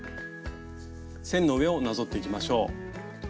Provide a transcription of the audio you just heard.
線の上をなぞっていきましょう。